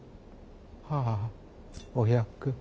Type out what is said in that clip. はあお百。